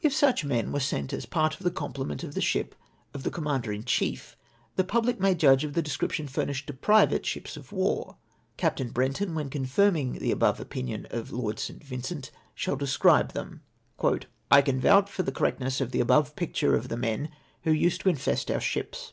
If such men were sent as part of the complement of the ship of the commander in chief, the public may judge of the description furnished to private ships of war. Captain Brenton Avlien conlirming the above opinion of Lord St. Vincent, sliall describe them. "I can vouch for the correctness of the above picture of the men who used to infest our ships.